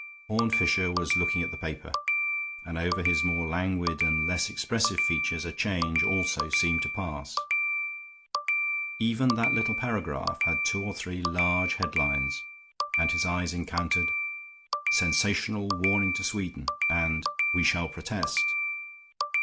Horne Fisher was looking at the paper, and over his more languid and less expressive features a change also seemed to pass. Even that little paragraph had two or three large headlines, and his eye encountered, "Sensational Warning to Sweden," and, "We Shall Protest."